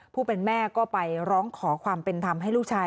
ผู้เป็นแม่ก็ไปร้องขอความเป็นธรรมให้ลูกชาย